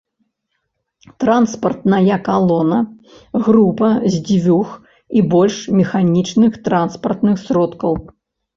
Транспартная калона — група з двух і больш механічных транспартных сродкаў